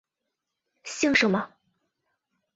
姓什么？